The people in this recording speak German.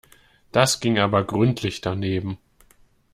Das ging aber gründlich daneben.